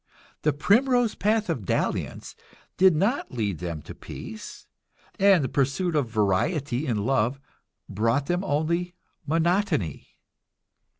The primrose path of dalliance did not lead them to peace, and the pursuit of variety in love brought them only monotony.